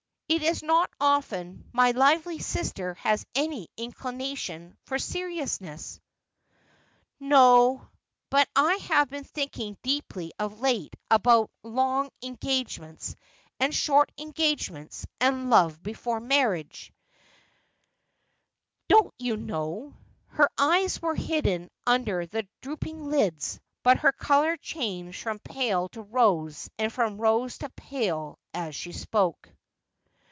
It is not often my lively sister has any incli nation for seriousness.' ' No ; but I have been thinking deeply of late about long engagements, and short engagements, and love before marriage, and love after marriage — don't you know.' Her eyes were hid den under their drooping lids, but her colour changed from pale to rose and from rose to pale as she spoke.